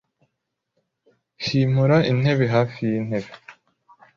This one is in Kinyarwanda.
Himura intebe hafi yintebe .